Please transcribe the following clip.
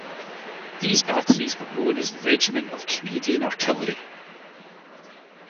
These batteries were known as the Regiment of Canadian Artillery.